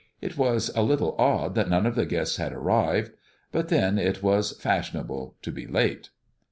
It was a little odd that none of the guests had arrived; but then, it was fashionable to be late!